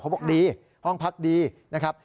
บอกดีห้องพักดีนะครับ